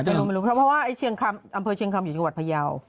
เพราะว่าอำเภอเชียงคำอยู่จังหวัดพยาว